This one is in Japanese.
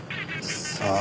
さあ？